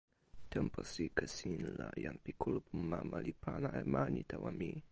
tenpo sike sin la jan pi kulupu mama li pana e mani tawa mi.